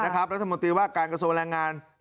ลัทธโมตรีว่าการกระโซมแรงงาน